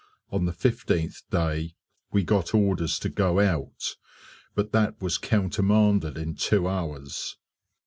On the fifteenth day we got orders to go out, but that was countermanded in two hours.